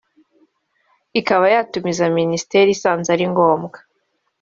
ikaba yatumiza Minisitiri isanze ari ngombwa